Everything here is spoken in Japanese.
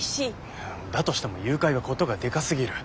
だとしても誘拐は事がでかすぎる。